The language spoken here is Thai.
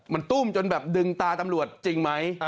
มันตุ้มจนแบบดึงตาตำรวจจริงไหม